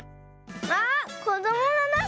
あっこどものな